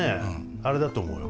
あれだと思うよ。